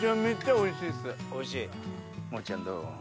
おいしい？